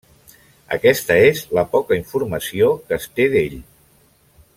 Aquesta és la poca informació que es té d'ell.